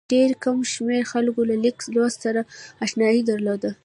ډېر کم شمېر خلکو له لیک لوست سره اشنايي درلوده.